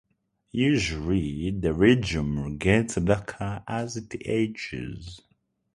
Usually the legume gets darker as it ages.